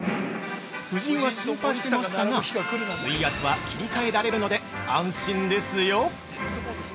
◆夫人は心配してましたが、水圧は切り替えられるので安心ですよ！